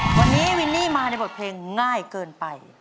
วันนี้วินนี่มาในบทเพลงง่ายเกินไป